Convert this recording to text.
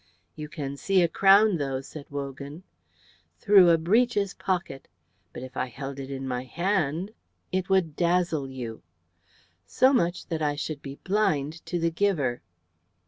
"You can see a crown, though," said Wogan. "Through a breeches pocket. But if I held it in my hand " "It would dazzle you." "So much that I should be blind to the giver."